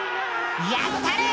やったれ！